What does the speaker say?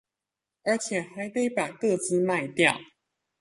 而且還得把個資賣掉